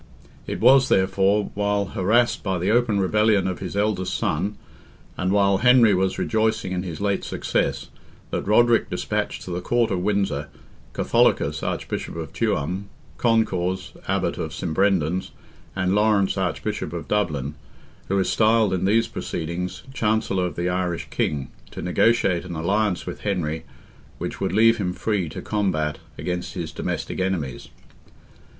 It was, therefore, while harassed by the open rebellion of his eldest son, and while Henry was rejoicing in his late success, that Roderick despatched to the Court of Windsor Catholicus, Archbishop of Tuam, Concors, Abbot of St. Brendan's, and Laurence, Archbishop of Dublin, whose is styled in these proceedings, "Chancellor of the Irish King," to negotiate an alliance with Henry, which would leave him free to combat against his domestic enemies.